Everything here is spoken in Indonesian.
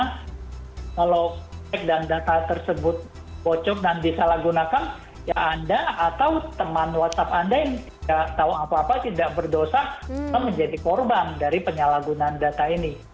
kalau cek dan data tersebut bocok dan disalahgunakan ya anda atau teman whatsapp anda yang tidak tahu apa apa tidak berdosa menjadi korban dari penyalahgunaan data ini